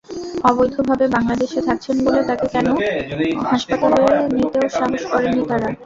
অবৈধভাবে বাংলাদেশে থাকছেন বলে তাঁকে কোনো হাসপাতালে নিতেও সাহস করেননি তাঁরা।